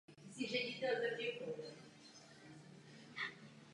Vládnou ve Španělsku a Lucembursku.